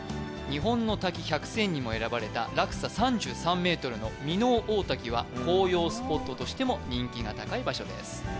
日本の滝１００選にも選ばれた落差３３ｍの箕面大滝は紅葉スポットとしても人気が高い場所です